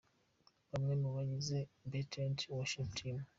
Bamwe mu bagize Bethesda worship team.